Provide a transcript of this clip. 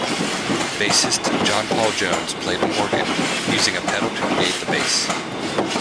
Bassist John Paul Jones played an organ, using a pedal to create the bass.